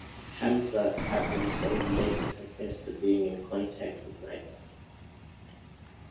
Hamza Abu Zaid later confessed to being in contact with Nidal.